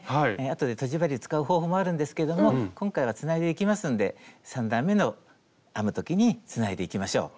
あとでとじ針を使う方法もあるんですけれども今回はつないでいきますんで３段めの編む時につないでいきましょう。